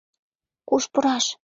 Куш пураш?!